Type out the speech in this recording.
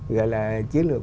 gọi là chiến lược